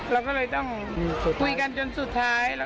เราก็เลยต้องคุยกันจนสุดท้าย